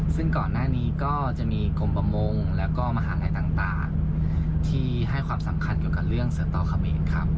ซึ่งก่อนหน้านี้ก็จะมีกรมประมงแล้วก็มหาลัยต่างที่ให้ความสำคัญเกี่ยวกับเรื่องเสือต่อเขมรครับ